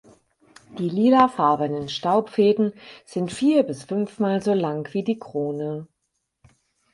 Die lilafarbenen Staubfäden sind vier- bis fünfmal so lang wie die Krone.